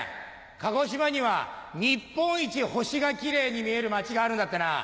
鹿児島には日本一星がキレイに見える町があるんだってな。